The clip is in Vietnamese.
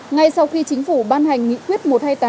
ngay sau khi chính phủ ban hành nghị quyết một trăm hai mươi tám